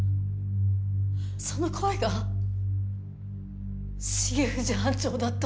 その声が重藤班長だった。